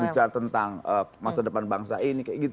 bicara tentang masa depan bangsa ini kayak gitu